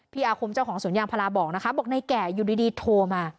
อาคมเจ้าของสวนยางพาราบอกนะคะบอกในแก่อยู่ดีโทรมา